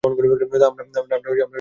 আমরা স্বতন্ত্র চাষী।